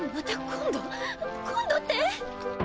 ⁉今度って？